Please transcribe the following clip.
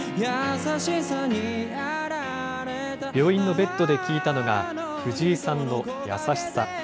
ベッドで聴いたのが、藤井さんの優しさ。